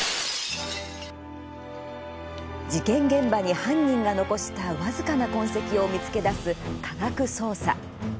事件現場に犯人が残した僅かな痕跡を見つけ出す科学捜査。